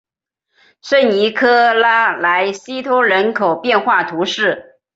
圣尼科拉莱西托人口变化图示